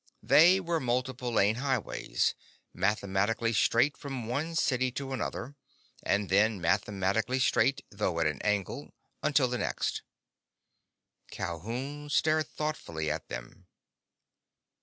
They were multiple lane highways, mathematically straight from one city to another, and then mathematically straight—though at a new angle—until the next. Calhoun stared thoughtfully at them.